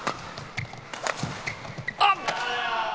あっ！